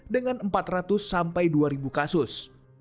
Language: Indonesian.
dengan empat ratus sampai dua ribu kasus